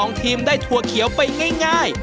ทั้ง๒ทีมได้ทัวร์เขียวไปง่าย